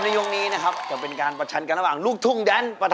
พร้อมหรือยังครับ